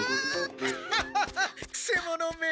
ハハハくせ者め！